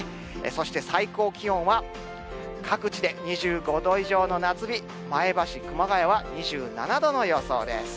そして最高気温は各地で２５度以上の夏日、前橋、熊谷は２７度の予想です。